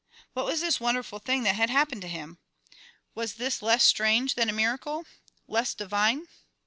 What was this wonderful thing that had happened to him? Was this less strange than a miracle? Less divine?